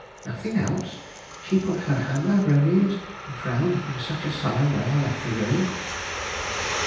"Nothing else. She put her hand over her ears and frowned in such a sullen way I left the room."